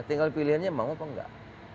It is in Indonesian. tinggal pilihannya mau apa enggak